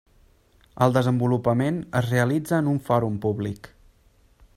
El desenvolupament es realitza en un fòrum públic.